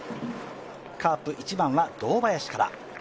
カープ、１番は堂林から。